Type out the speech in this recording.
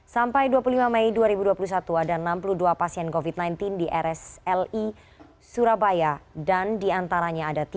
sampai dua puluh lima mei dua ribu dua puluh satu ada enam puluh dua pasien covid sembilan belas di rsli surabaya dan diantaranya ada tiga